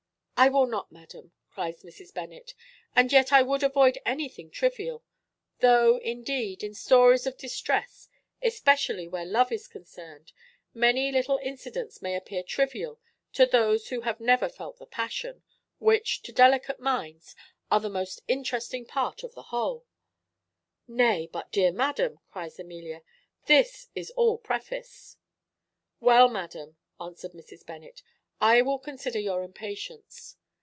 "I will not, madam," cries Mrs. Bennet, "and yet I would avoid anything trivial; though, indeed, in stories of distress, especially where love is concerned, many little incidents may appear trivial to those who have never felt the passion, which, to delicate minds, are the most interesting part of the whole." "Nay, but, dear madam," cries Amelia, "this is all preface." "Well, madam," answered Mrs. Bennet, "I will consider your impatience."